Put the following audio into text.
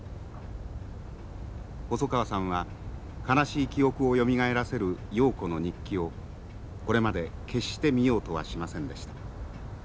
細川さんは悲しい記憶をよみがえらせる瑤子の日記をこれまで決して見ようとはしませんでした。